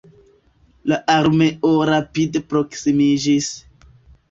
La armeo rapide proksimiĝis.